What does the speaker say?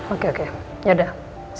oke oke yaudah